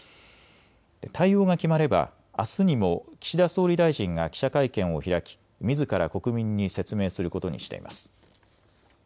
対応が決まればあすにも岸田総理大臣が記者会見を開き、みずから国民に説明することにしています。